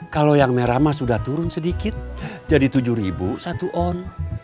kalau yang merah mas udah turun sedikit jadi tujuh satu on